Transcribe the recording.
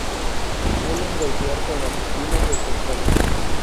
Suelen golpear con las espinas del costado.